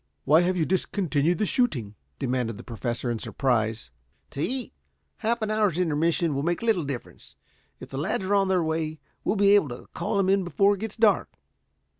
"Why have you discontinued the shooting?" demanded the Professor in surprise. "To eat. Half an hour's intermission will make little difference. If the lads are on their way, we'll be able to call them in before it gets dark.